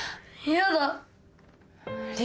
嫌だ！